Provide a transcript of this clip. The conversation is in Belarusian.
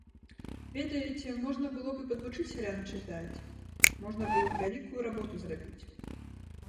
Ведаеце, можна было б і падвучыць сялян чытаць, можна было б вялікую работу зрабіць.